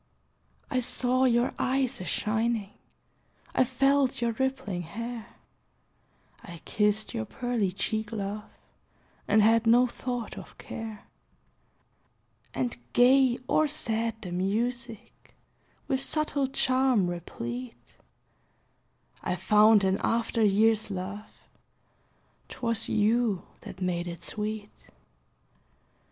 I saw your eyes a shining, I felt your rippling hair, I kissed your pearly cheek, love, And had no thought of care. And gay or sad the music, With subtle charm replete; I found in after years, love 'Twas you that made it sweet.